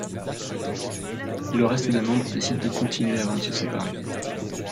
Le reste des membres décident de continuer avant de se séparer.